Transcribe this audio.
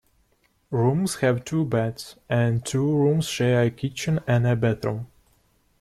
Rooms have two beds and two rooms share a kitchen and a bathroom.